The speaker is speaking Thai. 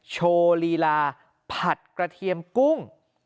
โชว์ลีลาผัดกระเทียมกุ้ง